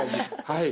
はい。